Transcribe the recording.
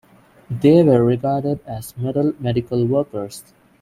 They were regarded as "Middle Medical Workers".